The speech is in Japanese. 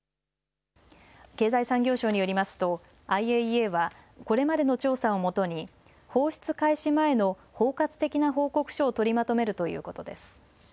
経済産業省によりますとＩＡＥＡはこれまでの調査をもとに放出開始前の包括的な報告書を取りまとめるということです。